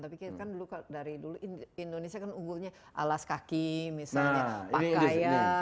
tapi kan dulu dari dulu indonesia kan unggulnya alas kaki misalnya pakaian